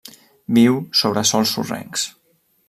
Viu sobre sòls sorrencs.